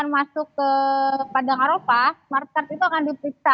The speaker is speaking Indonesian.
masuk ke padang eropa smart card itu akan dipiksa